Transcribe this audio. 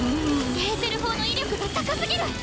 エーテル砲の威力が高過ぎる！